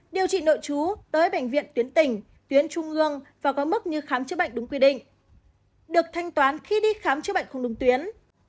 điều trị nợ chú đối bệnh viện tuyến tỉnh tuyến trung ương và có mức như khám chứa bệnh đúng quy định được thanh toán khi đi khám chứa bệnh không đúng tuyến